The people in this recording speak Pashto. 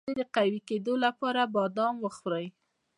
د حافظې د قوي کیدو لپاره بادام وخورئ